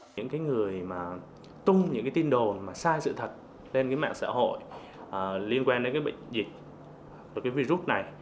những người mà tung những tin đồ sai sự thật lên mạng xã hội liên quan đến bệnh dịch và virus này